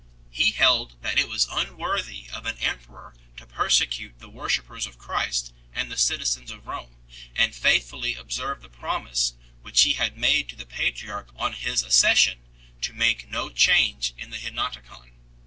He held that it was unworthy of an emperor to persecute the wor shippers of Christ and the citizens of Rome 2 , and faithfully observed the promise, which he had made to the patriarch on his accession, to make no change in the Henoticon.